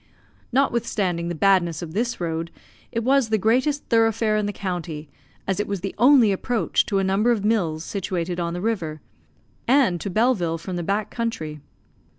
Notwithstanding the badness of this road, it was the greatest thoroughfare in the county, as it was the only approach to a number of mills situated on the river, and to Belleville, from the back country.